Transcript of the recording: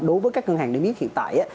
đối với các ngân hàng đi miết hiện tại